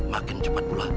makin cepat pula